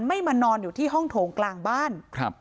มานอนอยู่ที่ห้องโถงกลางบ้าน